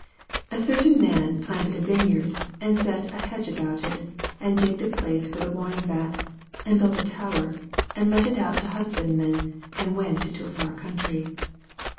A certain man planted a vineyard, and set an hedge about it, and digged a place for the winefat, and built a tower, and let it out to husbandmen, and went into a far country.